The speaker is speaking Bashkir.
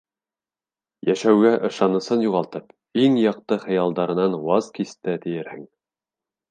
Йәшәүгә ышанысын юғалтып, иң яҡты хыялдарынан ваз кисте тиерһең.